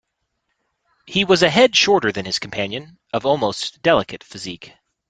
He was a head shorter than his companion, of almost delicate physique.